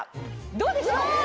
どうでしょう？